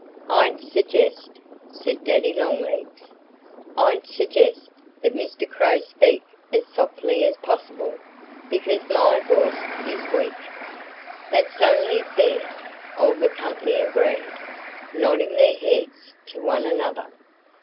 "I'd suggest " said Daddy Longlegs "I'd suggest that Mr. Crow speak as softly as possible, because my voice is weak." "That's only fair!" all the company agreed, nodding their heads to one another.